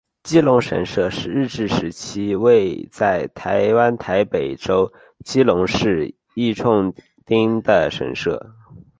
基隆神社是日治时期位在台湾台北州基隆市义重町的神社。